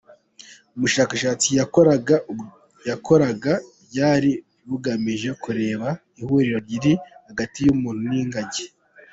Ubushakashatsi yakoraga, bwari bugamije kureba ihuriro riri hagati y’umuntu n’ingagi.